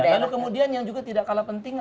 lalu kemudian yang juga tidak kalah penting